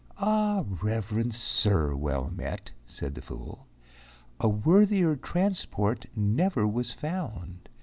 "Ah, Reverent Sir, well met," said the fool, "A worthier transport never was found.